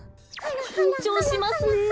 きんちょうしますねえ。